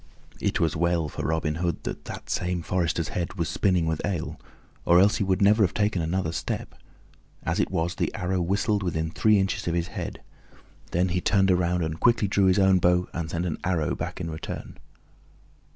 It was well for Robin Hood that that same forester's head was spinning with ale, or else he would never have taken another step. As it was, the arrow whistled within three inches of his head. Then he turned around and quickly drew his own bow, and sent an arrow back in return.